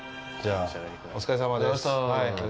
お疲れさまです。